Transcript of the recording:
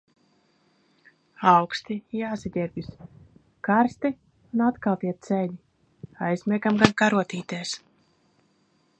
Auksti, jāsaģērbjas. Karsti un atkal tie ceļi. Aizmiegam gan karotītēs.